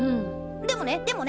でもねでもね